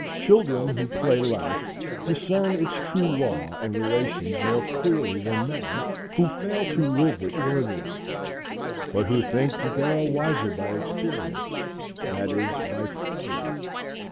Children, who play life, discern its true law and relations more clearly than men, who fail to live it worthily, but who think that they are wiser by experience, that is, by failure.